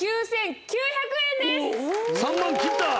３万切った！